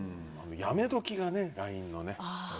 やめ時がね、ＬＩＮＥの。